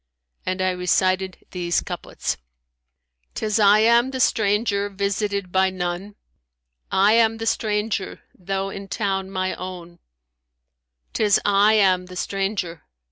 And I recited these couplets, "Tis I am the stranger, visited by none; * I am the stranger though in town my own: Tis I am the stranger!